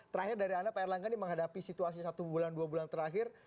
terakhir dari anda pak erlangga ini menghadapi situasi satu bulan dua bulan terakhir